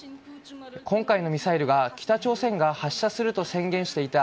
今回のミサイルが北朝鮮が発射すると宣言していた